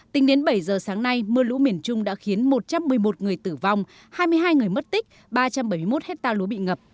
tính đến bảy giờ sáng nay mưa lũ miền trung đã khiến một trăm một mươi một người tử vong hai mươi hai người mất tích ba trăm bảy mươi một hectare lúa bị ngập